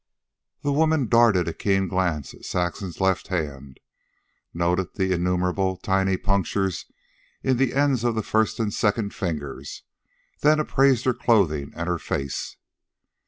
The woman darted a keen glance to Saxon's left hand, noted the innumerable tiny punctures in the ends of the first and second fingers, then appraised her clothing and her face.